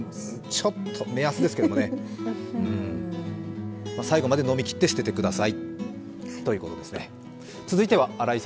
目安ですけれども、最後まで飲みきって捨ててくださいということです。